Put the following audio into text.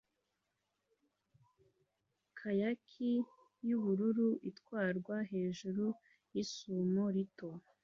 Kayaki yubururu itwarwa hejuru yisumo rito